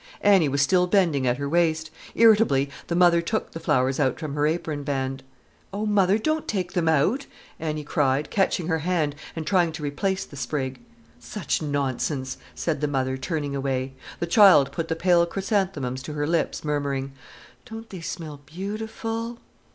Annie was still bending at her waist. Irritably, the mother took the flowers out from her apron band. "Oh, mother—don't take them out!" Annie cried, catching her hand and trying to replace the sprig. "Such nonsense!" said the mother, turning away. The child put the pale chrysanthemums to her lips, murmuring: "Don't they smell beautiful!"